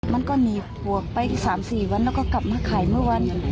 มันก็หนีบวกไป๓๔วันแล้วก็กลับมาขายเมื่อวัน